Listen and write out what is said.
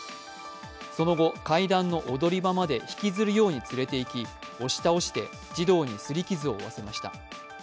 その後、階段の踊り場まで引きずるように連れて行き、押し倒して、児童にすり傷を負わせました。